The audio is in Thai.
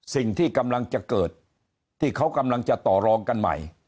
สิ่งที่กำลังจะเกิดที่เขากำลังจะต่อรองกันใหม่